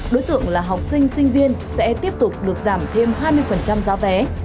đối tượng là học sinh sinh viên sẽ tiếp tục được giảm thêm hai mươi giá vé